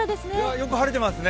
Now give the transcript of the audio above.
よく晴れてますね。